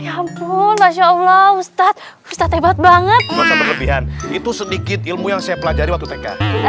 ya ampun masya allah ustadz ustadz banget merasa berlebihan itu sedikit ilmu yang saya pelajari waktu tk